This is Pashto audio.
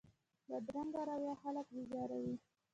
بدرنګه رویه خلک بېزاروي